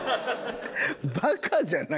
バカじゃない？